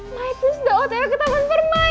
my twist udah otw ke taman permai